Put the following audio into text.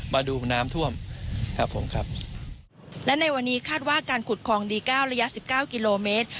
มาดูน้ำท่วมครับผมครับและในวันนี้คาดว่าการขุดคลองดีเก้าระยะสิบเก้ากิโลเมตร